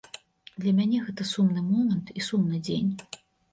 Для мяне гэта сумны момант і сумны дзень.